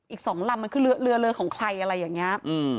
อีก๒ลำมันคือเรือเรือของใครอะไรอย่างนี้